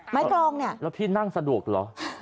แล้วพี่นั่งสะดวกเหรอ